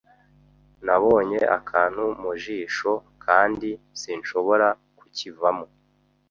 Nabonye akantu mu jisho kandi sinshobora kukivamo.